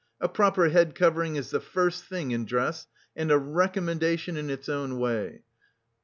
A proper head covering is the first thing in dress and a recommendation in its own way.